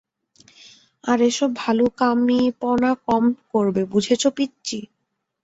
আর এসব ভালুকামিপনা কম করবে, বুঝেছ পিচ্চি?